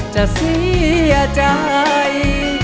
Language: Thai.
จะเสียใจ